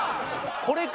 これか！